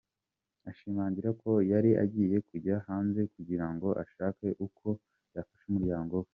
Ashimangira ko yari agiye kujya hanze kugirango ashake uko yafasha umuryango we.